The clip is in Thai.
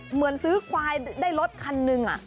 เหมือนซื้อควายได้รถคันหนึ่ง